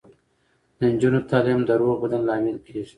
د نجونو تعلیم د روغ بدن لامل کیږي.